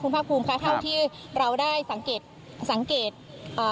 ภาคภูมิค่ะเท่าที่เราได้สังเกตสังเกตเอ่อ